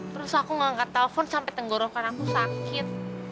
terus aku ngangkat telepon sampai tenggorokan aku sakit